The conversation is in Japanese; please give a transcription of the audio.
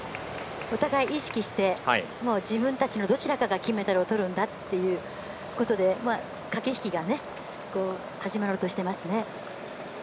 お互い意識して自分たちのどちらかが金メダルを取るんだということで駆け引きが始まろうとしていますね。